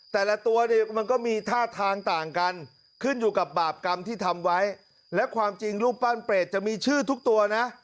แต่ละตัวเนี่ยมันก็มีท่าทางต่างกันขึ้นอยู่กับบาปกรรมที่ทำไว้และความจริงรูปปั้นเปรตจะมีชื่อทุกตัวนะ